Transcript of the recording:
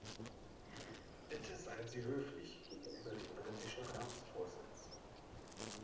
Bitte seien Sie höflich gegenüber dem britischen Ratsvorsitz.